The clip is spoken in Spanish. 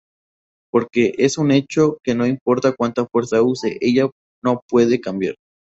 Porque es un hecho que no importa cuánta fuerza use, ella no puede cambiar.